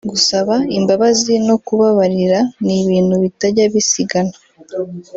Gusaba imbabazi no kubabarira n’ibintu bitajya bisigana